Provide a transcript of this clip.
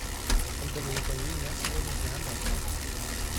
El periódico en línea sigue funcionando hasta la actualidad.